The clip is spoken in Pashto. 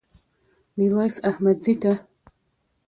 ميرويس احمدزي ده